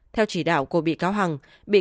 theo chỉ đạo của bị cáo hằng